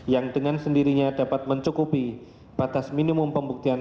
yang dengan sendirinya dapat mencukupi batas minimum pembuktian